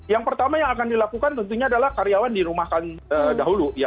yang pertama yang akan dilakukan tentunya adalah karyawan dirumahkan dahulu